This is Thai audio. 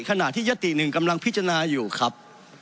ขณะที่ยติหนึ่งกำลังพิจารณาอยู่ครับ